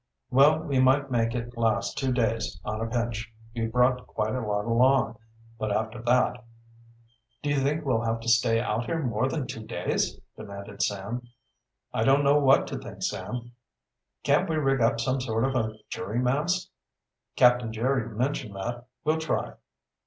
"Well, we might make it last two days on a pinch we brought quite a lot along. But after that " "Do you think we'll have to stay out here more than two days?" demanded Sam. "I don't know what to think, Sam." "Can't we rig up some sort of a jury mast?" "Captain Jerry mentioned that. We'll try."